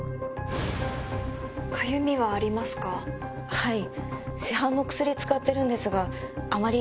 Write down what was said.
はい。